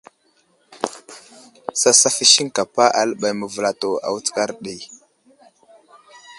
Sasaf i siŋkapa aləɓay məvəlato a wutskar ɗi.